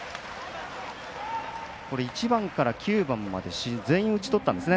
１番から９番まで全員打ち取ったんですね。